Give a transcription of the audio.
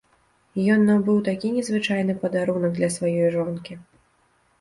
Ён набыў такі незвычайны падарунак для сваёй жонкі.